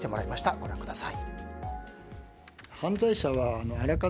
ご覧ください。